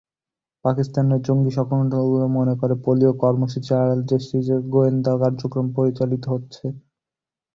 পাকিস্তানের জঙ্গি সংগঠনগুলো মনে করে, পোলিও কর্মসূচির আড়ালে দেশটিতে গোয়েন্দা কার্যক্রম পরিচালিত হচ্ছে।